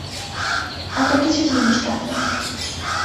আমার কিছু জিনিস লাগবে।